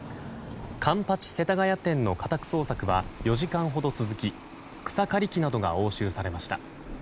環八世田谷店の家宅捜索は４時間ほど続き草刈り機などが押収されました。